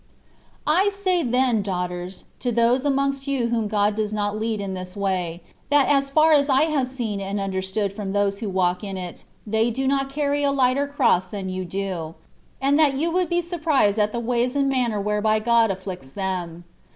I SAY then, daughters, to those amongst you whom God does not lead in this way, that as far as I have seen and understood from those who walk in it, they do not carry a hghter cross than you do ; and that you would be surprised at the ways and manner whereby God afflicts them.